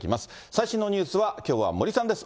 最新のニュースは、きょうは森さんです。